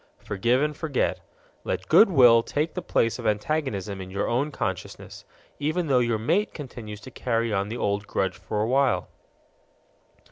Forgive and forget. Let good will take the place of antagonism in your own consciousness, even though your mate continues to carry on the old grudge for a while.